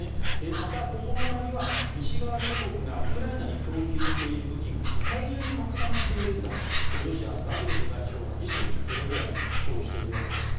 また、９日には西側諸国がウクライナに供給している武器が世界中に拡散しているんだとロシアのラブロフ外相が自身のテレグラムで主張をしているわけです。